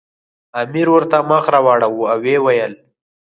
امیر ورته مخ راواړاوه او ویې ویل.